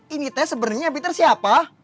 ini teh sebenernya pinter siapa